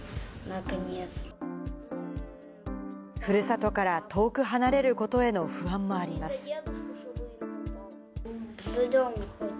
ふるさとから遠く離れることへの不安もあります。